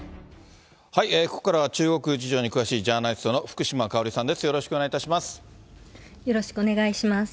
ここからは中国事情に詳しいジャーナリストの福島香織さんでよろしくお願いします。